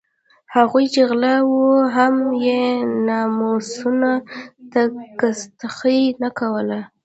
هغوی چې غله وو هم یې ناموسونو ته کستاخي نه کوله.